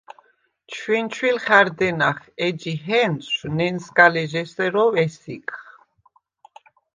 ჩვინჩვილ ხა̈რდენახ, ეჯი ჰენწშვ ნენსგალეჟ’ესეროვ ესიგხ.